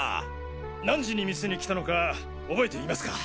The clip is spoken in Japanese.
何時に店に来たのか覚えていますか？